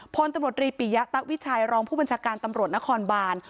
พลตำรวจรีปิยะตะวิชัยรองผู้บัญชาการตำรวจนครบาน